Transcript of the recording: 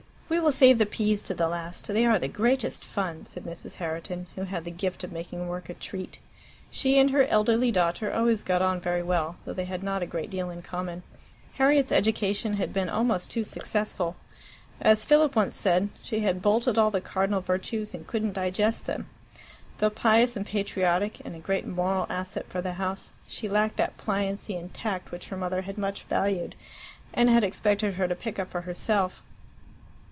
"We will save the peas to the last; they are the greatest fun," said Mrs. Herriton, who had the gift of making work a treat. She and her elderly daughter always got on very well, though they had not a great deal in common. Harriet's education had been almost too successful. As Philip once said, she had "bolted all the cardinal virtues and couldn't digest them." Though pious and patriotic, and a great moral asset for the house, she lacked that pliancy and tact which her mother so much valued, and had expected her to pick up for herself.